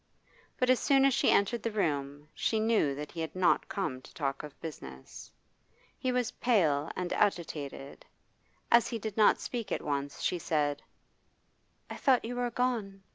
But as soon as she entered the room she knew that he had not come to talk of business. He was pale and agitated. As he did not speak at once she said: 'I thought you were gone.